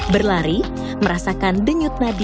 berlari merasakan denyut nadi